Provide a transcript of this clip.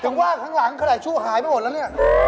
ว่าข้างหลังขนาดชู่หายไปหมดแล้วเนี่ย